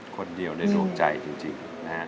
คนเดียวในดวงใจจริงนะฮะ